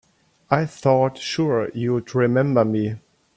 I thought sure you'd remember me.